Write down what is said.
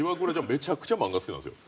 めちゃくちゃ漫画好きなんですよ